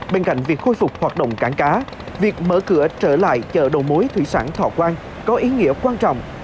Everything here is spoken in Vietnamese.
bên cạnh việc khôi phục hoạt động cảng cá việc mở cửa trở lại chợ đầu mối thủy sản thọ quang có ý nghĩa quan trọng